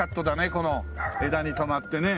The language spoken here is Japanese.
この枝に止まってね。